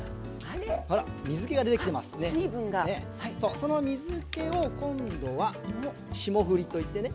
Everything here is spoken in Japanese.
その水けを今度は霜降りといってね